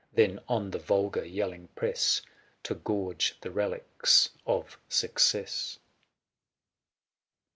Then on the vulgar yelling press, 285 To gorge the relics of success.